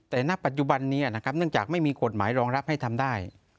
แต่ณปัจจุบันนี้นะครับเนื่องจากไม่มีกฎหมายรองรับให้ทำได้